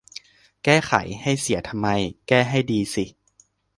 แก้ไขให้เสียทำไม แก้ให้ดีสิ